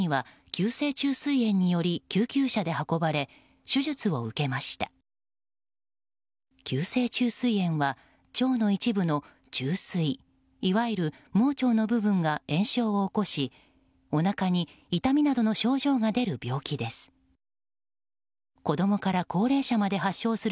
急性虫垂炎は腸の一部の、虫垂いわゆる盲腸の部分が炎症を起こしおなかに痛みなどの症状が出る病気です。